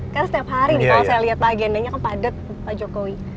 kan setiap hari nih kalau saya lihat agendanya kan padat pak jokowi